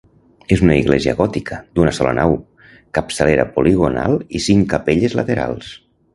És una església gòtica d'una sola nau, capçalera poligonal i cinc capelles laterals.